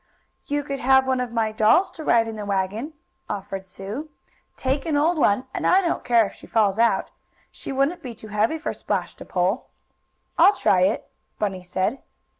"You could have one of my dolls to ride in the wagon," offered Sue. "Take an old one, and I don't care if she falls out. She wouldn't be too heavy for Splash to pull." "I'll try it," Bunny said.